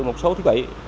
một số thiết bị